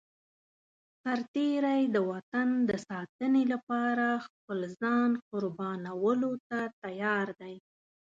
سرتېری د وطن د ساتنې لپاره خپل ځان قربانولو ته تيار دی.